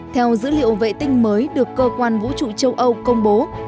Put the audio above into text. theo dữ liệu vệ tinh mới được cơ quan vũ trụ châu âu công bố